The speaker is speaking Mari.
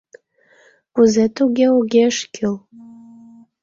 Кузе туге огеш кӱл?